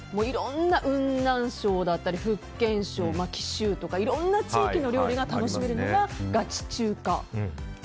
雲南省だったり福建省、貴州だったりいろんな地域の料理が楽しめるのがガチ中華。